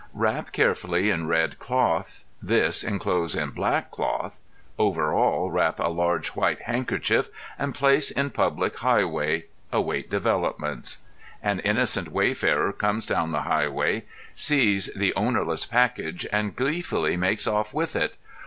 Wrap carefully in red cloth, this enclose in black cloth, over all wrap a large white handkerchief and place in public highway, await developments.... An innocent wayfarer comes down the highway, sees the ownerless package and gleefully makes off with it.